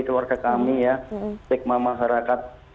keluarga kami stigma masyarakat